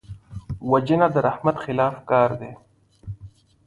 وژنه د رحمت خلاف کار دی